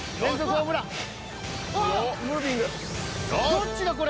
どっちだこれ。